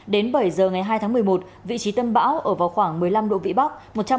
đến bảy giờ ngày hai tháng một mươi một vị trí tâm bão ở vào khoảng một mươi năm độ vĩ bắc